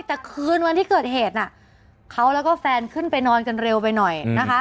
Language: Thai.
แต่คืนวันที่เกิดเหตุน่ะเขาแล้วก็แฟนขึ้นไปนอนกันเร็วไปหน่อยนะคะ